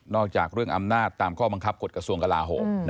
จากเรื่องอำนาจตามข้อบังคับกฎกระทรวงกลาโหม